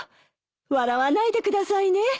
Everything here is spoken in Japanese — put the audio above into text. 笑わないでくださいね。